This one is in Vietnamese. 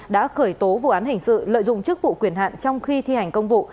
đã khởi tố vụ án hình sự lợi dụng chức vụ quyền hạn trong khi thi hành công vụ